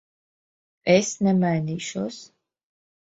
Es nemainīšos.